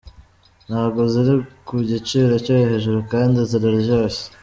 Ntabwo ziri ku giciro cyo hejuru kandi ziraryoshye.